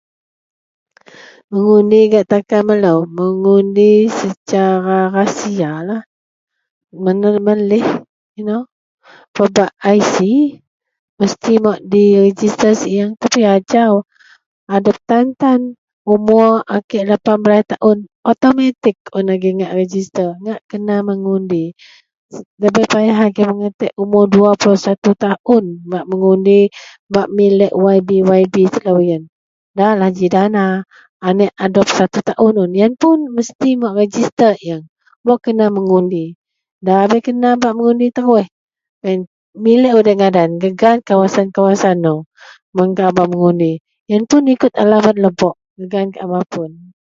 Mengundi gak takan melou, mengundi secara rasialah. Melih inou pebak ic, mesti mauk direjista siew. Tapi ajau adep tan-tan. Umur a kek 18 taun, autometik un agei ngak rejista ngak kena mengundi. Ndabei payah agei matek umuor 21 taun bak mengundi, bak miliek YB-YB telou yen. Ndalah ji dana. Aneak a 21 taun un, yen puun mesti mau rejista eing baruk kena mengundi. Ndabei kena bak mengundi teruih, pen piliek udei ngadan, gak gaan kawasan-kawasan nou mun kaau bak mengundi. Yen mun ikut alamat lebok gak gaan kaau mapun.